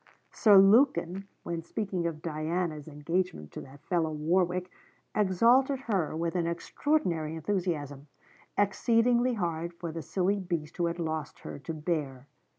Sir Lukin, when speaking of Diana's 'engagement to that fellow Warwick,' exalted her with an extraordinary enthusiasm, exceedingly hard for the silly beast who had lost her to bear.